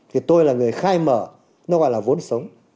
thì tôi là người khai mở nó gọi là vốn sống